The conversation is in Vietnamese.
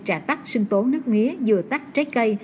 trà tắc sinh tố nước mía dừa tắc trái cây